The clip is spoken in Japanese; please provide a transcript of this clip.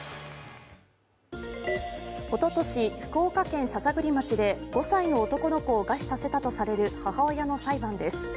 おととし、福岡県篠栗町で５歳の男の子を餓死させたとされる母親の裁判です。